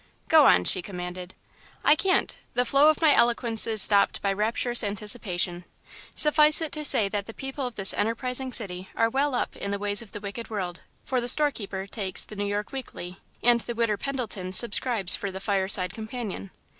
"Go on," she commanded. "I can't the flow of my eloquence is stopped by rapturous anticipation. Suffice it to say that the people of this enterprising city are well up in the ways of the wicked world, for the storekeeper takes The New York Weekly and the 'Widder' Pendleton subscribes for The Fireside Companion.